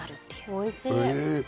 おいしい。